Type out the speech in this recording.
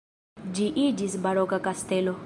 Ĝi iĝis baroka kastelo.